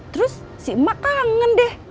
terus si emak kangen deh